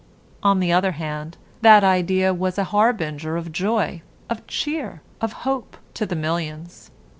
On the other hand, that idea was a harbinger of joy, of cheer, of hope to the millions.